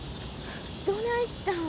どないしたん？